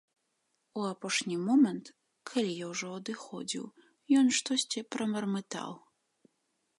У апошні момант, калі я ўжо адыходзіў, ён штосьці прамармытаў.